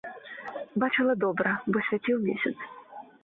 Бачыла добра, бо свяціў месяц.